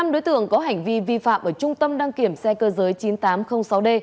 năm đối tượng có hành vi vi phạm ở trung tâm đăng kiểm xe cơ giới chín nghìn tám trăm linh sáu d